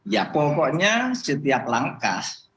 ya pokoknya setiap langkah